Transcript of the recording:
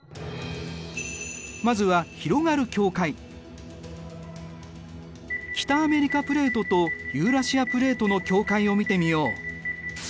まずは北アメリカプレートとユーラシアプレートの境界を見てみよう。